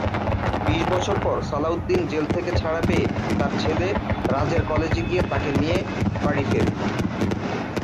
বিশ বছর পর সালাউদ্দিন জেল থেকে ছাড়া পেয়ে তার ছেলে রাজের কলেজে গিয়ে তাকে নিয়ে বাড়ি ফিরে।